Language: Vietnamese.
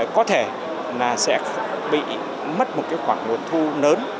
có thể là sẽ bị mất một cái khoản nguồn thu lớn